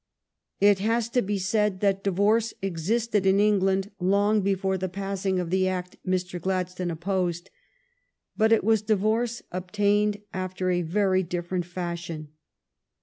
It has to be said that divorce existed in England long before the passing of the Act Mr. Gladstone opposed, but it was divorce obtained after a very different fashion.